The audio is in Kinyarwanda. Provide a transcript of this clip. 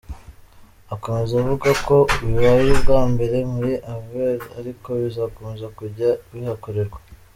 Akomeza avuga ko bibaye ubwa mbere muri Anvers ariko bizakomeza kujya bihakorerwa.